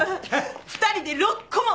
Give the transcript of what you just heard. ２人で６個も。